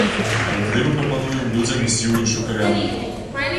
Але тады мы прапануем людзям ісці ў іншую кавярню!